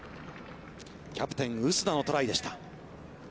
キャプテン薄田のトライでした。